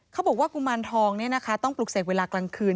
เขาบอกว่ากุมารทองต้องปลุกเสกเวลากลางคืน